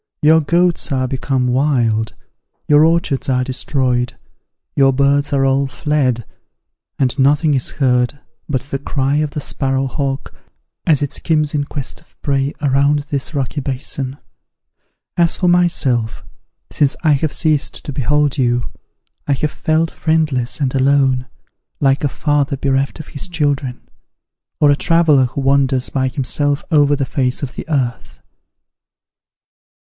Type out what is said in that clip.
Your goats are become wild: your orchards are destroyed; your birds are all fled, and nothing is heard but the cry of the sparrow hawk, as it skims in quest of prey around this rocky basin. As for myself, since I have ceased to behold you, I have felt friendless and alone, like a father bereft of his children, or a traveller who wanders by himself over the face of the earth.